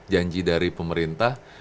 janji dari pemerintah